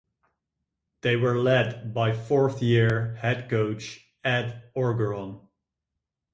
They were led by fourth year head coach Ed Orgeron.